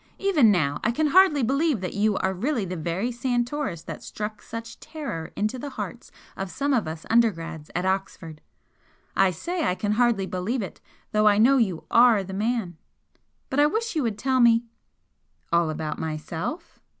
Even now I can hardly believe that you are really the very Santoris that struck such terror into the hearts of some of us undergrads at Oxford! I say I can hardly believe it, though I know you ARE the man. But I wish you would tell me " "All about myself?"